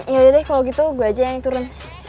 ya udah deh kalau gitu gue aja yang turun